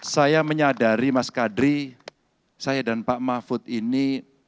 saya menyadari mas kadri saya dan pak mahfud ini